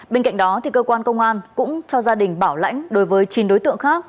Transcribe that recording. bên cạnh đó cơ quan công an cũng cho gia đình bảo lãnh đối với chín đối tượng khác